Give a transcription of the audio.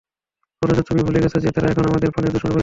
অথচ তুমি ভুলে গেছ যে, তারা এখন আমাদের প্রাণের দুশমনে পরিণত হয়েছে।